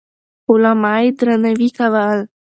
علما يې درناوي کول.